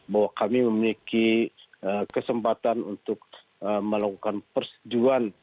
bahwa kami memiliki kesempatan untuk melakukan persetujuan